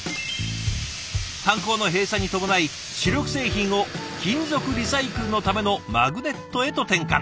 炭鉱の閉鎖に伴い主力製品を金属リサイクルのためのマグネットへと転換。